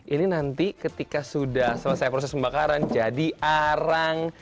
ini nanti ketika sudah selesai proses pembakaran jadi arang